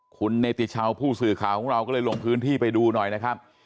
คุณเนติชาวผู้สื่อข่าวของเราก็เลยลงพื้นที่ไปดูหน่อยนะครับ